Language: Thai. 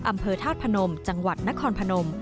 อำเภอธาตุพนมจังหวัดนครพนม